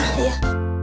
di sini pak